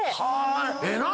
ええなぁ